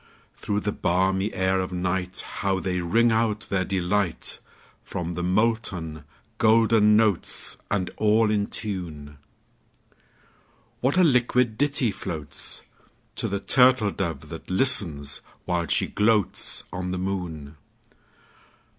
Through the balmy air of nightHow they ring out their delight! From the molten golden notes, And all in tune, What a liquid ditty floatsTo the turtle dove that listens, while she gloatsOn the moon!